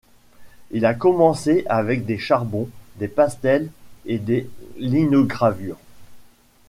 Il a commencé avec des charbons, des pastels et des linogravures.